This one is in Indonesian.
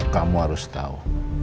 kamu harus tahu